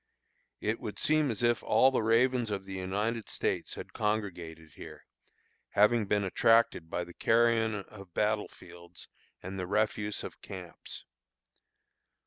It would seem as if all the ravens of the United States had congregated here, having been attracted by the carrion of battle fields and the refuse of camps.